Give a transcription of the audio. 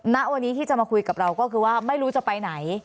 ณวันนี้ที่จะมาคุยกับเราก็คือว่าไม่รู้จะไปไหน